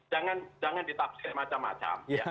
jadi jangan ditafsir macam macam